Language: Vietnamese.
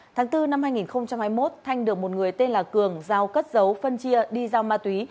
tháng bốn năm hai nghìn hai mươi một thanh được một người tên là cường giao cất dấu phân chia đi giao ma túy